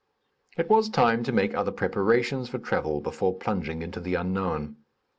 It was time to make other preparations for travel before plunging into the unknown.